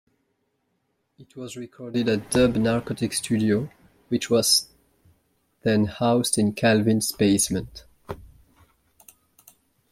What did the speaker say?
It was recorded at Dub Narcotic Studio, which was then housed in Calvin's basement.